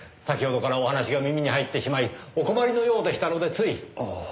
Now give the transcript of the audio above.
先ほどからお話が耳に入ってしまいお困りのようでしたのでつい。